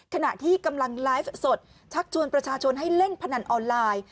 ขณะที่กำลังไลฟ์สดชักชวนประชาชนให้เล่นพนันออนไลน์